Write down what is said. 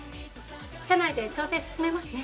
社内で調整進めますね。